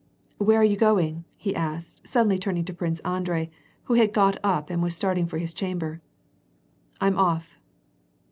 "Where are you going?" he asked, suddenly turning to Prince Andrei, who had got up and was starting for his cham ber "I'm off."